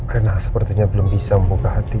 karena sepertinya belum bisa membuka hati